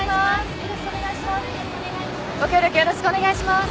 よろしくお願いします。